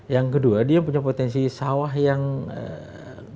yang kedua dia punya potensi sawah yang tidak dioptimalkan